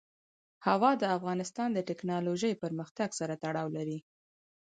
هوا د افغانستان د تکنالوژۍ پرمختګ سره تړاو لري.